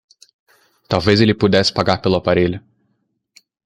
Talvez ele pudesse pagar pelo aparelho.